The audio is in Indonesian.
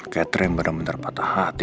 katrin bener bener patah hati